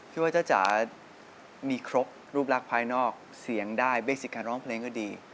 พี่ว่าจ้าจ๋ามีครบรูปลักษณ์ภายนอกเสียงได้เบสิกการร้องเพลงก็ดี